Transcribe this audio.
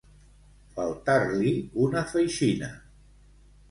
Faltar-li una feixina.